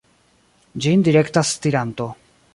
Ĝin direktas stiranto.